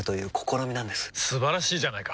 素晴らしいじゃないか！